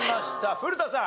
古田さん。